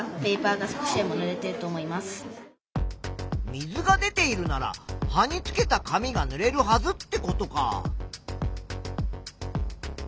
水が出ているなら葉につけた紙がぬれるはずってことか。